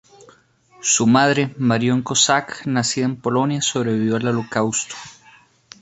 Su madre, Marion Kozak, nacida en Polonia, sobrevivió al holocausto.